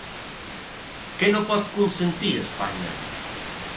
Què no pot consentir Espanya?